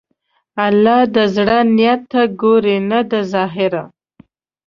الله د زړه نیت ته ګوري، نه د ظاهره.